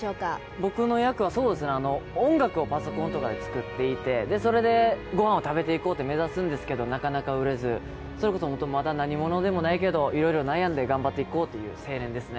僕の役は音楽をパソコンとかで作っていてそれでごはんを食べていこうと目指すんですけどなかなか売れずそれこそ何者でもないけど目指していこうという青年ですね。